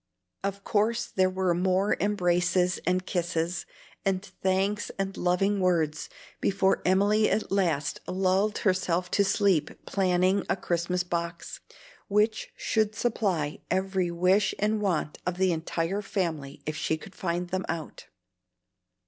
Of course there were more embraces and kisses, and thanks and loving words, before Emily at last lulled herself to sleep planning a Christmas box, which should supply every wish and want of the entire family if she could find them out.